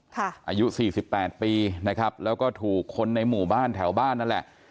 อายุสี่สิบแปดปีนะครับแล้วก็ถูกคนในหมู่บ้านแถวบ้านนั่นแหละ